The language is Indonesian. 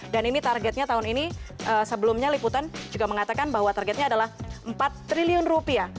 dan ini targetnya tahun ini sebelumnya liputan juga mengatakan bahwa targetnya adalah empat triliun rupiah